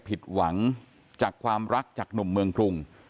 ผิดหวังจากความรักจากหนุ่มเมืองกรุง